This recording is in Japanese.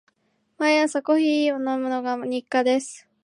毎朝コーヒーを飲むのが日課です。